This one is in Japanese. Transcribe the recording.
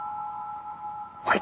はい。